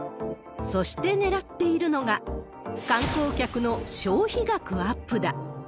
そしてねらっているのが、観光客の消費額アップだ。